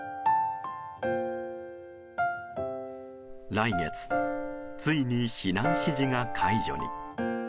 来月、ついに避難指示が解除に。